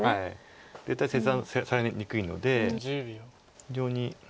切断されにくいので非常に。